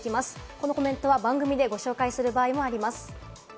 このコメントは番組でご紹介する場合もあります。